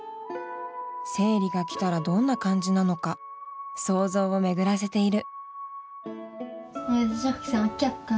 生理が来たらどんな感じなのか想像を巡らせている。